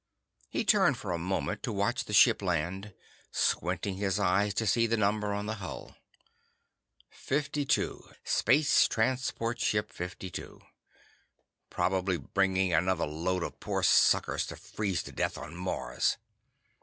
He turned for a moment to watch the ship land, squinting his eyes to see the number on the hull. Fifty two. Space Transport Ship Fifty two. Probably bringing another load of poor suckers to freeze to death on Mars.